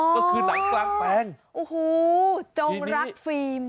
ก็คือหนังกลางแปลงโอ้โหจงรักฟิล์ม